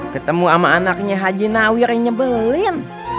ketemu sama anaknya haji nawir yang nyebelin